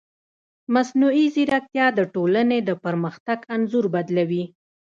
مصنوعي ځیرکتیا د ټولنې د پرمختګ انځور بدلوي.